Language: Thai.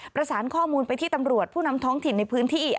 ประสานข้อมูลไปที่ตำรวจผู้นำท้องถิ่นในพื้นที่